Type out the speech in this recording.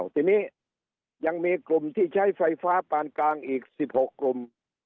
ทีนี้ยังมีกลุ่มที่ใช้ไฟฟ้าปานกลางอีก๑๖กลุ่ม